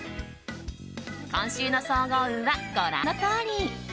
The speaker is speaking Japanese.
今週の総合運はご覧のとおり。